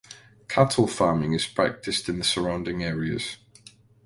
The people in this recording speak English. Cattle farming is practiced in the surrounding areas.